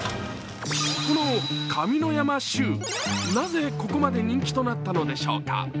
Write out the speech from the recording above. このかみのやまシュー、なぜここまで人気となったのでしょうか？